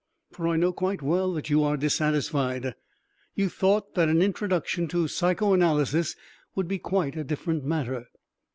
For I know quite well that you are dissatisfied. You thought that an introduction to psychoanalysis would be quite a different matter.